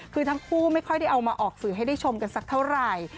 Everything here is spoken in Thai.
คือทั้งคู่ไม่ค่อยได้เอามาออกสื่อให้ได้ชมกันสักเท่าไหร่